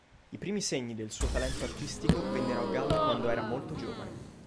I primi segni del suo talento artistico vennero a galla quando era molto giovane.